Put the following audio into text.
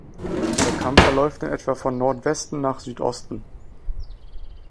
Der Kamm verläuft in etwa von Nordwesten nach Südosten.